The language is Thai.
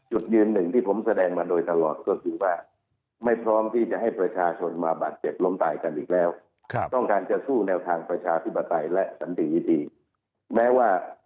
จุดยืนหนึ่งที่ผมแสดงมาโดยตลอดก็คือว่าไม่พร้อมที่จะให้ประชาชนมาบาดเจ็บล้มตายกันอีกแล้ว